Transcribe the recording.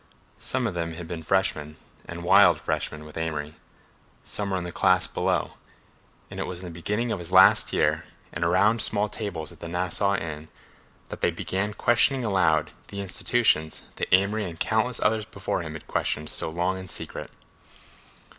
Some of them had been freshmen, and wild freshmen, with Amory; some were in the class below; and it was in the beginning of his last year and around small tables at the Nassau Inn that they began questioning aloud the institutions that Amory and countless others before him had questioned so long in secret.